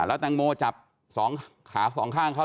แล้วแตงโมจับสองขาสองข้างเขา